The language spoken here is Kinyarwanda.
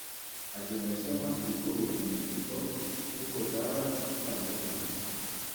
Agenda asoma ibikubiye mu nyandiko mvugo z’aba batangabuhamya